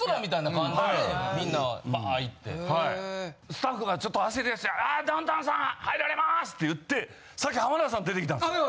スタッフがちょっと焦りだして「ああダウンタウンさん入られます！」って言って先浜田さん出てきたんですよ。